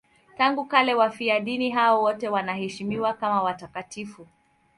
Tangu kale wafiadini hao wote wanaheshimiwa kama watakatifu.